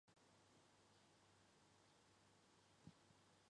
马岭竹为禾本科簕竹属下的一个种。